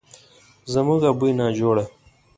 زموږ ابۍ ناجوړه